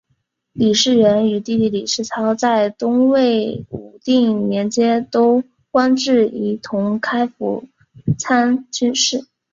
李士元与弟弟李士操在东魏武定年间都官至仪同开府参军事。